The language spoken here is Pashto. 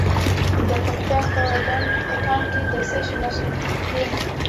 د پکتیا په ډنډ پټان کې د څه شي نښې دي؟